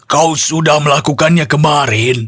kau sudah melakukannya kemarin